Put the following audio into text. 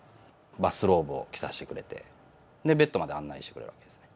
バスローブを着させてくれて、ベッドまで案内してくれるわけですね。